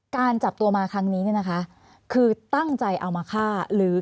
การจับตัวมาครั้งนี้เนี่ยนะคะคือตั้งใจเอามาฆ่าหรือ